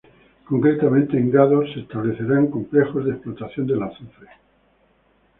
Concretamente en Gádor se establecerán complejos de explotación del azufre.